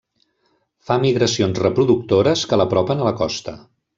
Fa migracions reproductores que l'apropen a la costa.